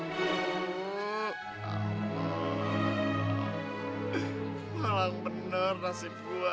tuh malang bener nasib gua